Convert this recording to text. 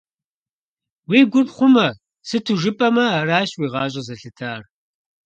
Уи гур хъумэ, сыту жыпӀэмэ аращ уи гъащӀэр зэлъытар.